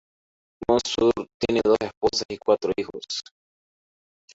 Mansour tiene dos esposas y cuatro hijos.